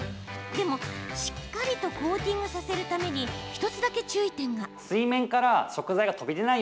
でも、しっかりとコーティングさせるために１つだけ注意点が。